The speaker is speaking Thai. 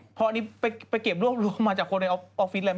พออันนี้ไปเก็บรวบมาจากคนออกฟิศเลย